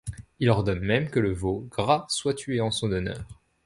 Il ordonne même que le veau gras soit tué en son honneur.